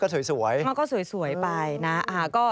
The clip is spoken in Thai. อ๋อก็สวยมันก็สวยไปนะ